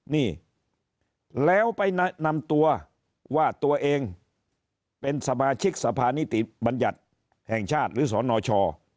นี่แล้วไปนำตัวว่าตัวเองเป็นสมาชิกสภานิติบัญญัติแห่งชาติหรือสนช